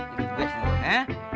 ini gue sebenernya